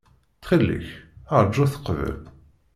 Ttxil-k, ṛju-t qbel.